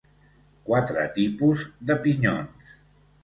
Quatre tipus de pinyons.